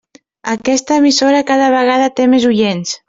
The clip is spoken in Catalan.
Aquesta emissora cada vegada té més oients.